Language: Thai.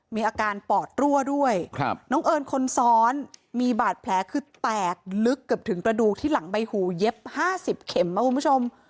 มีอาการปอดรั่วด้วยน้องเอิญคนซ้อนมีบาดแผลคือแตกลึกเกือบถึงกระดูกที่หลังใบหูเย็บ๕๐เข็มนะคุณผู้ชม